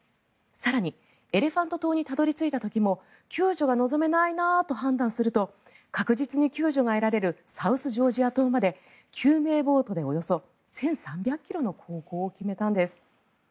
更に、エレファント島にたどり着いた時も救助が望めないなと判断すると確実に救助が得られるサウスジョージア島まで救命ボートでおよそ１３００ｋｍの航行を決めたんです。